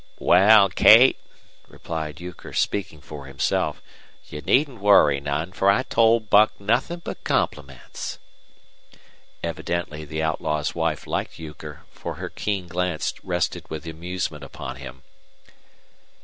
"Wal, Kate," replied Euchre, speaking for himself, "you needn't worry none, for I told Buck nothin' but compliments." Evidently the outlaw's wife liked Euchre, for her keen glance rested with amusement upon him.